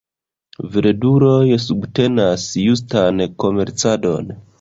Verduloj subtenas justan komercadon.